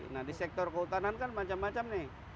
nah di sektor kehutanan kan macam macam nih